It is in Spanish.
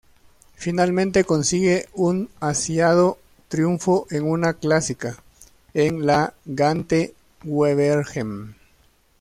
Finalmente consigue un ansiado triunfo en una clásica, en la Gante-Wevelgem.